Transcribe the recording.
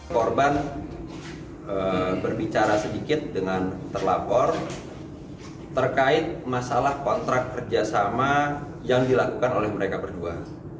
korban berbicara sedikit dengan terlapor terkait masalah kontrak kerjasama yang dilakukan oleh mereka berdua